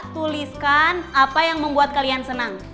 tuliskan apa yang membuat kalian senang